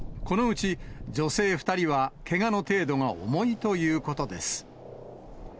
このうち、女性２人はけがの程度が重いということです。